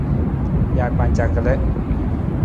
Jaakpanca kalii.